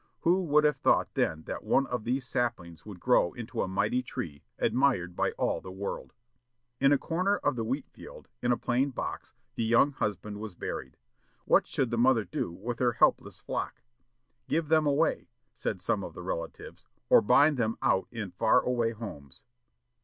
Who would have thought then that one of these saplings would grow into a mighty tree, admired by all the world? In a corner of the wheat field, in a plain box, the young husband was buried. What should the mother do with her helpless flock? "Give them away," said some of the relatives, or "bind them out in far away homes."